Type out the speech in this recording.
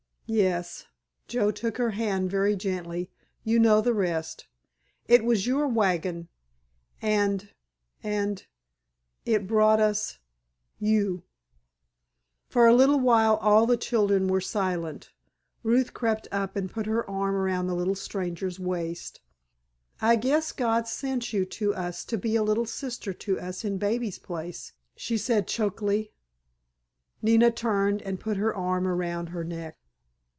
"Yes," Joe took her hand very gently, "you know the rest. It was your wagon—and—and—it brought us—you." For a little while all the children were silent. Ruth crept up and put her arm about the little stranger's waist. "I guess God sent you to us to be a little sister to us in baby's place," she said chokily. Nina turned and put her arm about her neck.